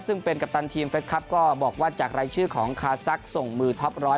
ซึ่งเป็นกัปตันทีมเฟสครับก็บอกว่าจากรายชื่อของคาซักส่งมือท็อป๑๐๐